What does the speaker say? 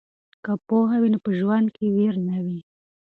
که پوهه وي نو په ژوند کې ویر نه وي.